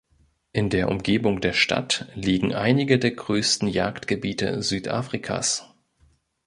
In der Umgebung der Stadt liegen einige der größten Jagdgebiete Südafrikas.